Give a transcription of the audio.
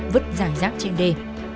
vứt dài rác trên đề